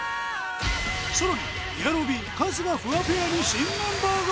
さらにエアロビ春日・フワペアに新メンバーが！？